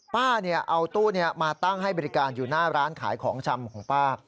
ป้าเอาตู้มาตั้งให้บริการอยู่หน้าร้านขายของชำของป้า